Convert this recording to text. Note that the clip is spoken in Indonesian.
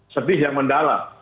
sedih yang mendalam